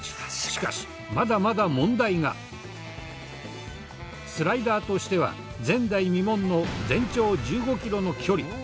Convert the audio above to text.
しかしスライダーとしては前代未聞の全長１５キロの距離。